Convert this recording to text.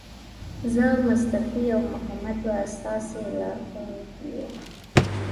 زه، مصطفی او محمد به ستاسې لارښوونکي یو.